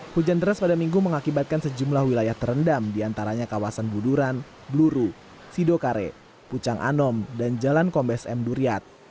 hujan deras pada minggu mengakibatkan sejumlah wilayah terendam di antaranya kawasan buduran bluru sido kare pucang anom dan jalan kombes m duryat